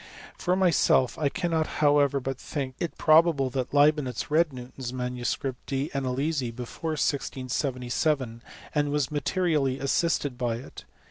For myself I cannot however but think it probable that Leibnitz read Newton s manuscript De Analysi before 1677, and was materially assisted by it.